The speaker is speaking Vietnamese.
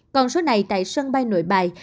còn số này tại sân bay nội bài